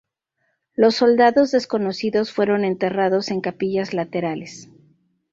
Los soldados desconocidos fueron enterrados en capillas laterales.